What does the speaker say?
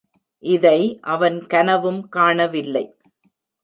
இதை அவன் கனவும் காணவில்லை.